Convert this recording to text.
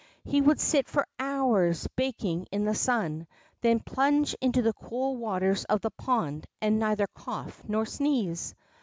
He would sit for hours baking in the sun, then plunge into the cool waters of the pond * and neither cough nor sneeze.